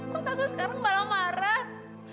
kok tanda sekarang malah marah